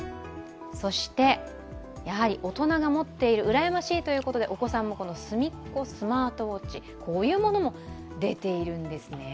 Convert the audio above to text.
そして、やはり大人が持っているうらやましいということでお子さんもすみっコスマートウォッチも出ているんです。